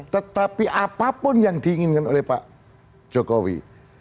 tetapi apapun yang diinginkan oleh pak jokowi